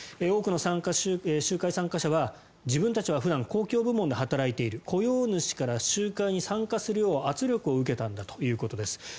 多くの集会参加者は自分たちは普段公共部門で働いている雇用主から集会に参加するよう圧力を受けたということです。